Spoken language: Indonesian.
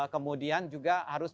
kemudian juga harus